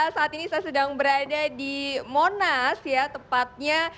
saat ini saya sedang berada di monas ya tepatnya